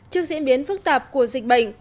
trước diễn biến phức tạp của dịch bệnh